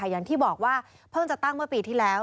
อย่างที่บอกว่าเพิ่งจะตั้งเมื่อปีที่แล้ว